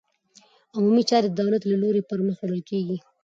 عمومي چارې د دولت له لوري پرمخ وړل کېږي.